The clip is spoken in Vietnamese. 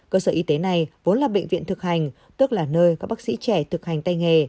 cơ sở y tế này vốn là bệnh viện thực hành tức là nơi các bác sĩ trẻ thực hành tay nghề